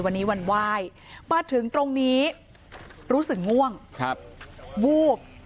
วันนี้วันไหว้มาถึงตรงนี้รู้สึกง่วงวูบ